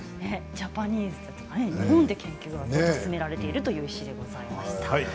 ジャパニーズ、日本で研究が進められてるということでした。